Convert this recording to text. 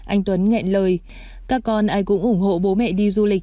anh tuấn nghẹn lời các con ai cũng ủng hộ bố mẹ đi du lịch